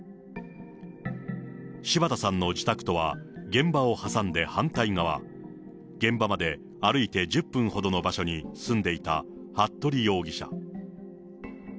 柴田さんの自宅とは現場を挟んで反対側、現場まで歩いて１０分ほどの場所に住んでいた服部容疑者。